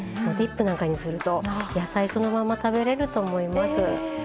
ディップなんかにすると野菜そのまま食べれると思います。